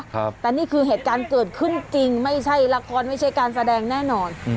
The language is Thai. แต่นี่คือเหตุการณ์เกิดขึ้นจริงไม่ใช่ละครไม่ใช่การแสดงแน่นอนอืม